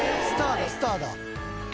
スターだスターだ！